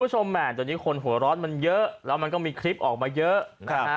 แหม่ตอนนี้คนหัวร้อนมันเยอะแล้วมันก็มีคลิปออกมาเยอะนะฮะ